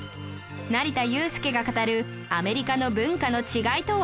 成田悠輔が語るアメリカの文化の違いとは？